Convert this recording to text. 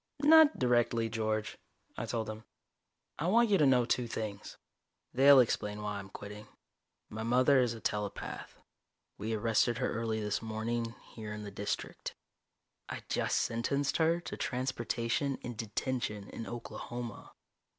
"Not directly, George," I told him. "I want you to know two things. They'll explain why I'm quitting. My mother is a telepath. We arrested her early this morning, here in the District. I just sentenced her to transportation and detention in Oklahoma."